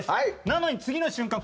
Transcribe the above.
なのに次の瞬間